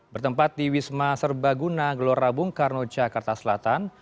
bertempat di wisma serbaguna gelora bungkarno jakarta selatan